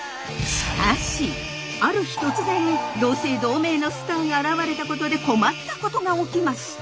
ある日突然同姓同名のスターが現れたことで困ったことが起きました。